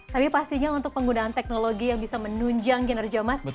tapi pastinya untuk penggunaan teknologi yang bisa menunjang kinerja mas